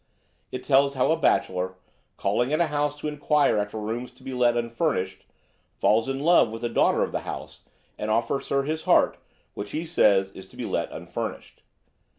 It tells how a bachelor, calling at a house to enquire after rooms to be let unfurnished, falls in love with the daughter of the house, and offers her his heart, which, he says, is to be let unfurnished.